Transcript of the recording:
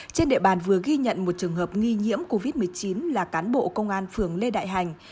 trên địa bàn vừa ghi nhận một trường hợp nghi nhiễm covid một mươi chín là cán bộ công an phường lê đại hành